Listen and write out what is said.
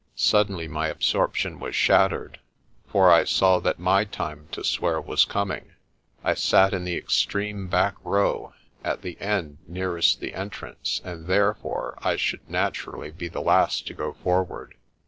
Suddenly my absorption was shattered, for I saw that my time to swear was coming. I sat in the extreme back row at the end nearest the entrance, and therefore I should nat urally be the last to go forward.